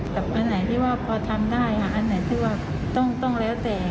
อันไหนที่ว่าพอทำได้ค่ะอันไหนที่ว่าต้องแล้วแต่